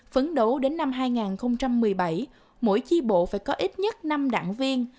phấn đấu đến năm hai nghìn một mươi bảy mỗi chi bộ phải có ít nhất năm đảng viên